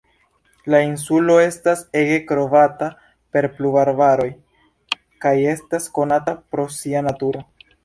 La insulo estas ege kovrata per pluvarbaroj kaj estas konata pro sia naturo.